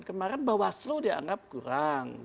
kemarin bawaslo dianggap kurang